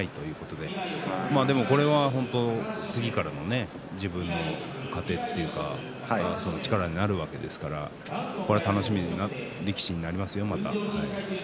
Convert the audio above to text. でもこれは次からの自分の糧というか力になるわけですから楽しみな力士になりますよ。